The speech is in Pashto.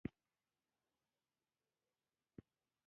فکر کوم محترم استاد سیاف په تېرو دېرشو کالو کې ذهانت درلود.